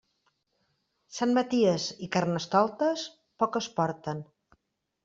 Sant Maties i Carnestoltes, poc es porten.